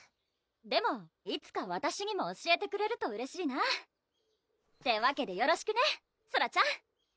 でもいつかわたしにも教えてくれるとうれしいなってわけでよろしくねソラちゃん